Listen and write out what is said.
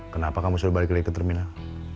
kenapa kamu sudah balik lagi ke terminal